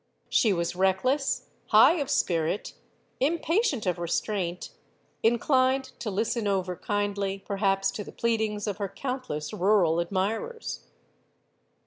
She was reckless, high of spirit, impatient of restraint; inclined to listen over kindly, perhaps, to the pleadings of her countless rural admirers.